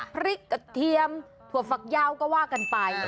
พริกกระเทียมถั่วฝักยาวก็ว่ากันไป